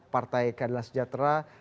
partai kadilan sejahtera